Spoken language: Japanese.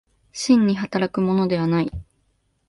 真に働くものではない。